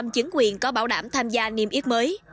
một trăm sáu mươi năm chứng quyền có bảo đảm tham gia niêm yếp mới